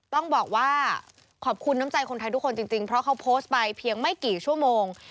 ต้องบอกว่าขอบคุณน้ำใจคนไทยทุกคนจริงเพราะเขาโพสต์ไปเพียงไม่กี่ชั่วโมง